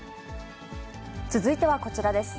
続いてはこちらです。